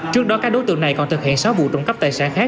trước đó các đối tượng này còn thực hiện sáu vụ trộm cắp tài sản khác